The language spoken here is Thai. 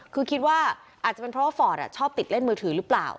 คือคิดว่าอาจจะเป็นเพราะว่าฟอร์ดชอบติดเล่นมือถือหรือเปล่า